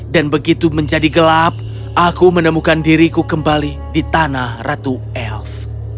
dan ketika itu aku menemukan diriku di tanah ratu elf